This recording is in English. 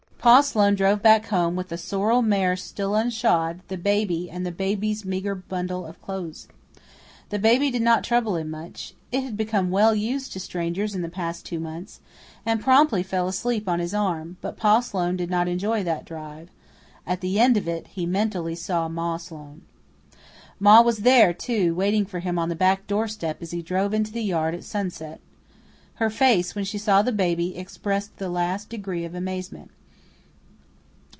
Pa Sloane drove back home, with the sorrel mare still unshod, the baby, and the baby's meager bundle of clothes. The baby did not trouble him much; it had become well used to strangers in the past two months, and promptly fell asleep on his arm; but Pa Sloane did not enjoy that drive; at the end of it he mentally saw Ma Sloane. Ma was there, too, waiting for him on the back door step as he drove into the yard at sunset. Her face, when she saw the baby, expressed the last degree of amazement.